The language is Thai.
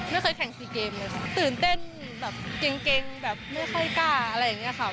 ไม่เคยแข่งซีเกมเลยค่ะตื่นเต้นแบบเก่งแบบไม่ค่อยกล้าอะไรอย่างนี้ค่ะ